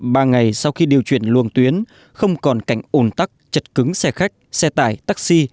ba ngày sau khi điều chuyển luồng tuyến không còn cảnh ồn tắc chật cứng xe khách xe tải taxi